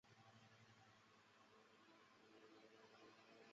李树兰率其第三十三团转辖于第一一八旅高魁元旅长麾下。